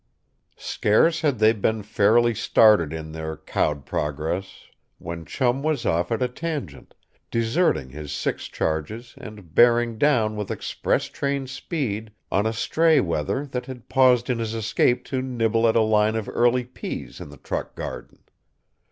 Scarce had they been fairly started in their cowed progress when Chum was off at a tangent, deserting his six charges and bearing down with express train speed on a stray wether that had paused in his escape to nibble at a line of early peas in the truck garden.